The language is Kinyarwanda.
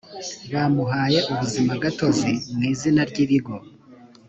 bamuhaye ubuzimagatozi mu izina ry ibigo